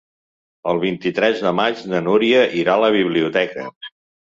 El vint-i-tres de maig na Núria irà a la biblioteca.